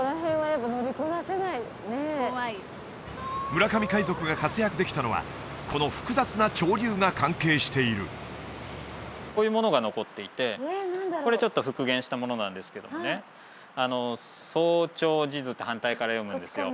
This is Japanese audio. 村上海賊が活躍できたのはこの複雑な潮流が関係しているこういうものが残っていてこれちょっと復元したものなんですけどもね「操潮時図」って反対から読むんですよ